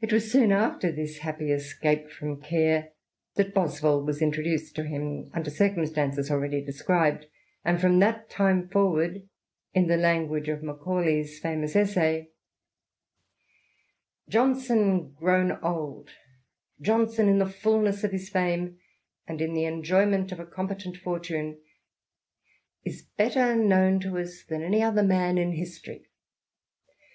It was soon after this happy escape from care that Boswell was introduced to him* under circumstances already described, and from that \xa[e forward, in the language of Macaula/s famous essay^" Johnson grown old, Johnson in the fulness of hi^ fame, and in the enjoyment of a competent fortune, is better known to us than any other man in history.